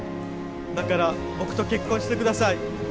だから僕と結婚してください。